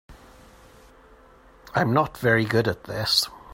I'm not very good at this.